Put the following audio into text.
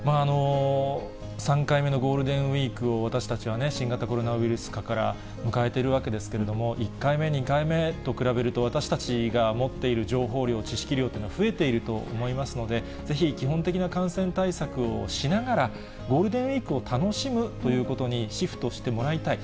３回目のゴールデンウィークを私たちは新型コロナウイルス禍から迎えているわけですけれども、１回目、２回目と比べると私たちが持っている情報量、知識量というのは増えていると思いますので、ぜひ、基本的な感染対策をしながら、ゴールデンウィークを楽しむということにシフトしてもらいたい。